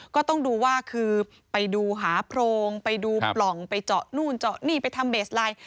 ก็ต้องดูว่าคือไปดูหาโพรงไปดูปล่องไปเจาะนู่นเจาะนี่ไปทำเบสไลน์